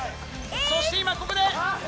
そして今ここで。